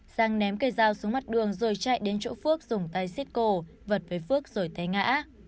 sang ném cây dao xuống mặt đường rồi chạy đến chỗ phước dùng tay xiết cổ vật với phước rồi thấy ngã